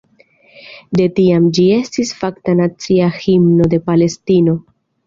De tiam ĝi estis fakta nacia himno de Palestino.